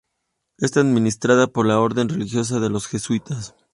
Está administrada por la orden religiosa de los Jesuitas.